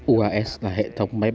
uas là hệ thống bình tĩnh